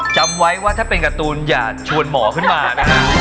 จำไว้ว่าถ้าเป็นการ์ตูนอย่าชวนหมอขึ้นมานะฮะ